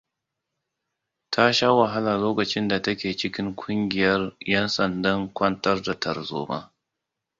Ta sha wahala lokacin da take cikin kungiyar yansandan kwantar da tarzoma.